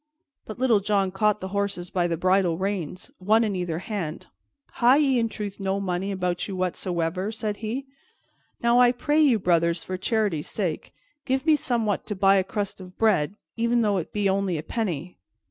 But Little John caught the horses by the bridle reins, one in either hand. "Ha' ye in truth no money about you whatsoever?" said he. "Now, I pray you, brothers, for charity's sake, give me somewhat to buy a crust of bread, e'en though it be only a penny."